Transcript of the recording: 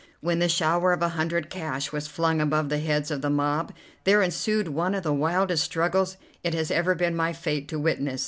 When the shower of a hundred cash was flung above the heads of the mob there ensued one of the wildest struggles it has ever been my fate to witness.